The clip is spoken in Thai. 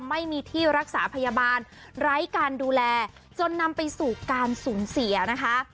ไม่มีที่รักษาพยาบาลไร้การดูแลจนนำไปสู่การสูญเสียนะคะ